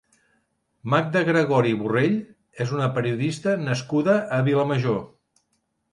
Magda Gregori Borrell és una periodista nascuda a Vilamajor.